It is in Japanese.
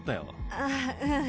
ああうん。